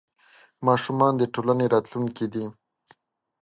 ماشومان د ټولنې راتلونکې دي.